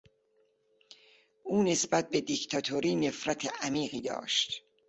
او نسبت به دیکتاتوری نفرت عمیقی داشت.